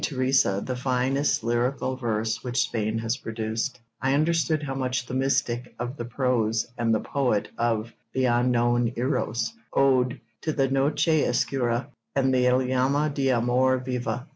Teresa, the finest lyrical verse which Spain has produced, I understood how much the mystic of the prose and the poet of The Unknown Eros owed to the Noche Escura and the Llama de Amor Viva.